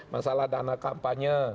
masalah dana kampanye